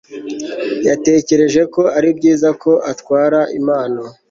yatekereje ko ari byiza ko atwara impano